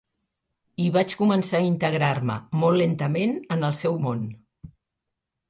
I vaig començar a integrar-me, molt lentament, en el seu món.